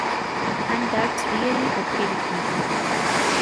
And, that's really okay with me.